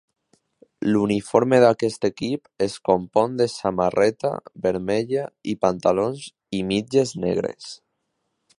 L'uniforme d'aquest equip es compon de samarreta vermella i pantalons i mitges negres.